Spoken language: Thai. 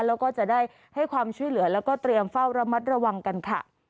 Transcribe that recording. แล้วก็จะได้ให้ความช่วยเหลือแล้วก็เตรียมเฝ้าระมัดระวังกันค่ะ